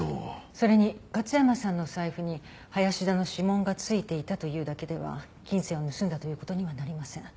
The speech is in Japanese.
それに勝山さんの財布に林田の指紋が付いていたというだけでは金銭を盗んだという事にはなりません。